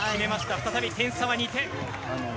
再び点差は２点。